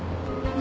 何？